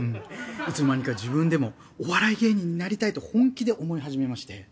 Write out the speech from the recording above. いつの間にか自分でもお笑い芸人になりたいと本気で思いはじめまして。